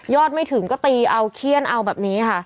ไม่ถึงก็ตีเอาเขี้ยนเอาแบบนี้ค่ะ